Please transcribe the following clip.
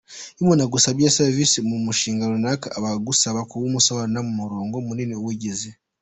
Iyo umuntu agusabye “canevas” y’umunshinga runaka, aba agusaba kuwumusobanurira mu mirongo minini iwugize.